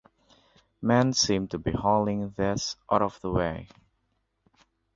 Men seemed to be hauling this out of the way.